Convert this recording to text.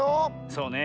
そうね。